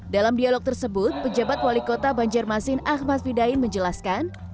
dalam dialog tersebut pejabat wali kota banjarmasin ahmad fidain menjelaskan